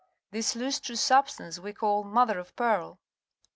This lustrous substance we call mother of pearl.